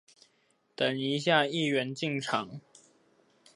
等一下議員進場